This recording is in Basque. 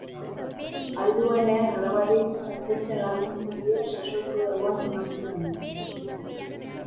Ahal duenean alabari jatetxean laguntzen dio sasoiko dagoen emakume honek.